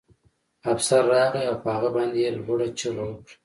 افسر راغی او په هغه باندې یې لوړه چیغه وکړه